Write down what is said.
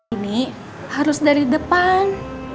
ini harus dari depan